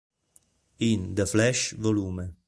In "The Flash" vol.